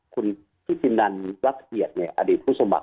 คุณพิษตินันลัฐเหกอดีตคู่สมัคร